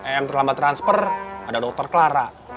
yang terlambat transfer ada dokter clara